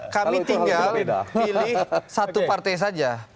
kami tinggal pilih satu partai saja